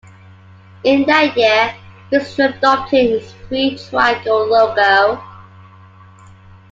In that year, Fischer adopted its three-triangle logo.